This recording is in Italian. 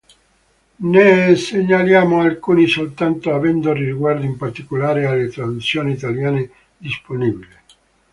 Ne segnaliamo alcuni soltanto, avendo riguardo in particolare alle traduzioni italiane disponibili.